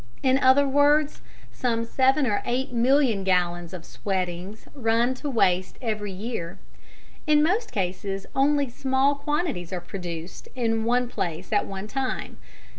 In other words, some seven or eight million gallons of "sweatings" run to waste every year. In most cases only small quantities are produced in one place at one time.